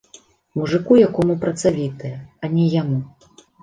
Мужыку якому працавітая, а не яму!